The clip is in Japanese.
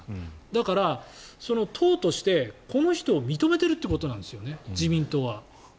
だから党としてこの人を認めてるってことなんですよね自民党は。